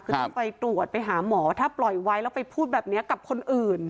คือต้องไปตรวจไปหาหมอถ้าปล่อยไว้แล้วไปพูดแบบนี้กับคนอื่น